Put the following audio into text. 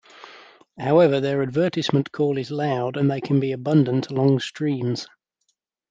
However, their advertisement call is loud, and they can be abundant along streams.